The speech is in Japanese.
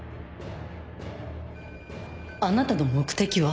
あなたの目的は？